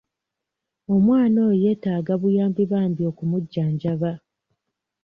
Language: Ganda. Omwana oyo yeetaaga buyambi bambi okumujjanjaba.